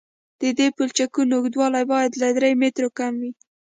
د دې پلچکونو اوږدوالی باید له درې مترو کم وي